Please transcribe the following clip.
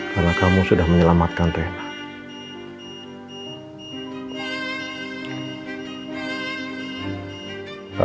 karena kamu sudah menyelamatkan rena